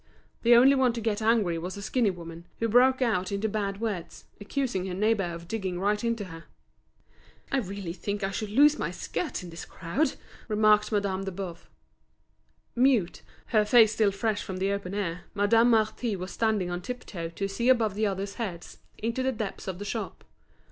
The only one to get angry was a skinny woman, who broke out into bad words, accusing her neighbour of digging right into her. "I really think I shall lose my skirts in this crowd," remarked Madame de Boves. Mute, her face still fresh from the open air, Madame Marty was standing on tip toe to see above the others' heads into the depths of the shop.